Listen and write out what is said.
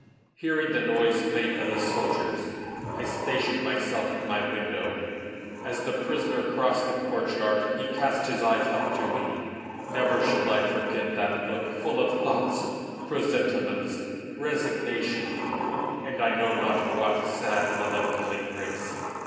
Hearing the noise made by the soldiers, I stationed myself at my window. As the prisoner crossed the courtyard, he cast his eyes up to me. Never shall I forget that look, full of thoughts, presentiments, resignation, and I know not what sad, melancholy grace.